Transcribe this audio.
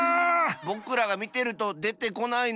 ぼくらがみてるとでてこないのかなあ。